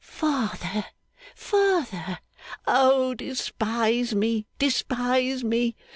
'Father, father!' 'O despise me, despise me!